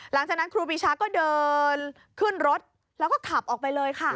หลังจากนั้นครูปีชาก็เดินขึ้นรถแล้วก็ขับออกไปเลยค่ะ